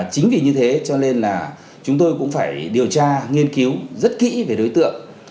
chính vì như thế cho nên là chúng tôi cũng phải điều tra nghiên cứu rất kỹ về đối tượng